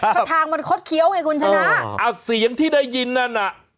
ทางมันคดเคี้ยวไงคุณชนะอ่ะเสียงที่ได้ยินนั่นน่ะ